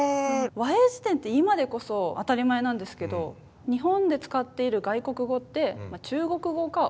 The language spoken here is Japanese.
和英辞典って今でこそ当たり前なんですけど日本で使っている外国語って中国語かオランダ語だったんですよね。